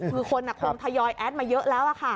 คือคนคงทยอยแอดมาเยอะแล้วค่ะ